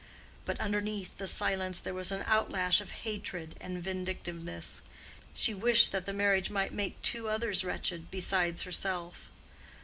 But underneath the silence there was an outlash of hatred and vindictiveness: she wished that the marriage might make two others wretched, besides herself.